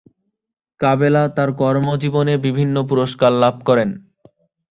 কাবেলা তার কর্মজীবনে বিভিন্ন পুরস্কার লাভ করেন।